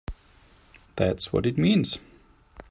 That's what it means!